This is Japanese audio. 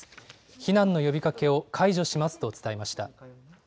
避難の呼びかけを解除しますと伝えました。